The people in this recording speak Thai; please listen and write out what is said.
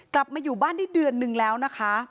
กลับมาอยู่บ้านได้เดือนนึงแล้วนะคะ